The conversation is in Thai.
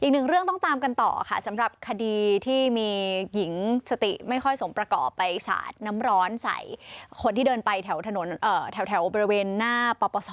อีกหนึ่งเรื่องต้องตามกันต่อค่ะสำหรับคดีที่มีหญิงสติไม่ค่อยสมประกอบไปสาดน้ำร้อนใส่คนที่เดินไปแถวถนนแถวบริเวณหน้าปปศ